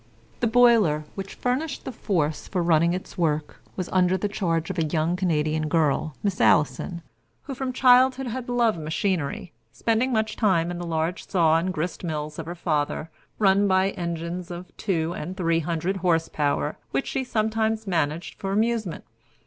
The boiler, which furnished the force for running its work, was under the charge of a young Canadian girl, Miss Allison, who, from childhood, had loved machinery, spending much time in the large saw and grist mills of her father, run by engines of two and three hundred horse power, which she sometimes managed for amusement.